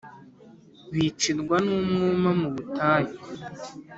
bi cirwa n umwuma mu butayu